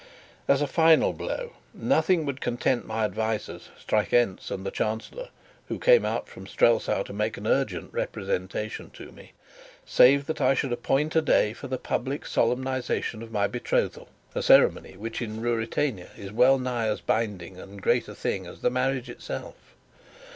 As a final blow, nothing would content my advisers, Strakencz and the Chancellor (who came out from Strelsau to make an urgent representation to me), save that I should appoint a day for the public solemnization of my betrothal, a ceremony which in Ruritania is well nigh as binding and great a thing as the marriage itself.